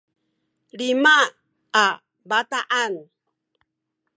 lima a bataan